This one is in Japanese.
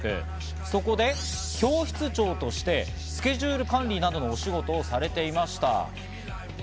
そこで教室長としてスケジュール管理などのお仕事をされていました。